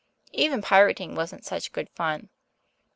Even pirating wasn't such good fun.